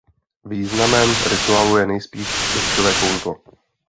Významem rituálu je nejspíš dešťové kouzlo.